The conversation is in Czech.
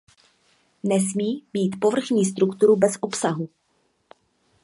Nesmí mít povrchní strukturu, bez obsahu.